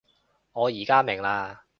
我而家明喇